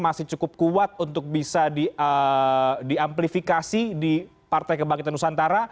masih cukup kuat untuk bisa diamplifikasi di partai kebangkitan nusantara